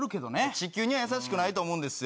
地球に優しくないと思うんですよ。